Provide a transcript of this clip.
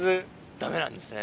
ダメなんですね